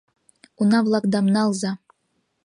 Уна-влакдам налза...